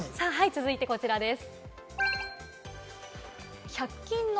続いてこちらです。